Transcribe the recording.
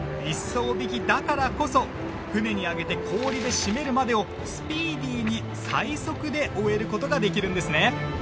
一艘曳きだからこそ船に揚げて氷で締めるまでをスピーディーに最速で終える事ができるんですね。